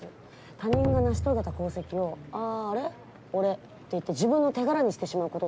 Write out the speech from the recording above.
他人が成し遂げた功績を「ああれ？俺」って言って自分の手柄にしてしまうことです。